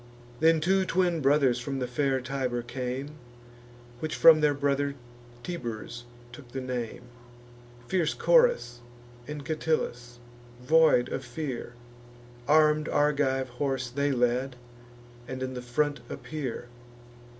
Then two twin brothers from fair Tibur came, (Which from their brother Tiburs took the name,) Fierce Coras and Catillus, void of fear: Arm'd Argive horse they led, and in the front appear.